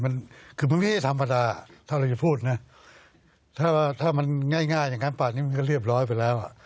มันคือมันไม่ใช่ธรรมดาถ้าเราจะพูดนะถ้าว่าถ้ามันง่ายอย่างนั้นป่านี้มันก็เรียบร้อยไปแล้วอ่ะ